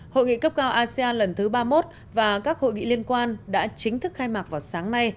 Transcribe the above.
hội nghị cấp cao asean lần thứ ba mươi một và các hội nghị liên quan đã chính thức khai mạc vào sáng nay